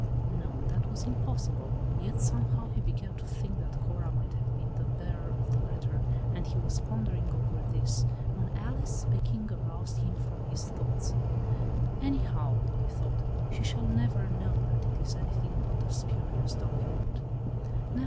No, that was impossible; yet, 'somehow, he began to think that Cora might have been the bearer of the letter, and he was pondering over this when Alice, speaking, aroused him from his thoughts. "Anyhow," he thought, "she shall never know that it is anything but a spurious document."